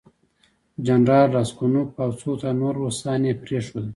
جنرال راسګونوف او څو تنه نور روسان یې پرېښودل.